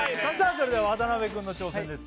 それでは渡辺くんの挑戦です